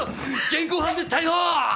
現行犯で逮捕ー！